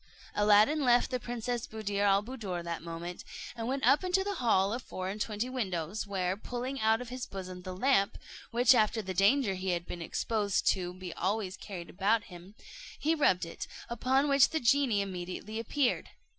Aladdin left the Princess Buddir al Buddoor that moment, and went up into the hall of four and twenty windows, where, pulling out of his bosom the lamp, which after the danger he had been exposed to be always carried about him, he rubbed it; upon which the genie immediately appeared.